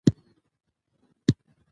دا ژورنال د کیفیت ساتنه کوي.